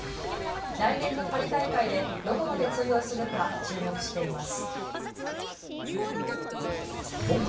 来年のパリ大会でどこまで通用するか注目しています。